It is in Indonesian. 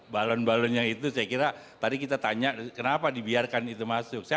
balon balon yang itu saya kira tadi kita tanya kenapa dibiarkan itu masuk